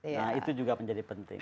nah itu juga menjadi penting